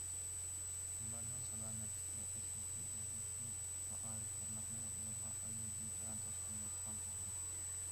ئۇلارنىڭ سالامەتلىكى ئەسلىگە كەلگەندىن كېيىن، مائارىپ تارماقلىرى ئۇلارغا ئايرىم ئىمتىھان تەشكىللەيدىغان بولدى.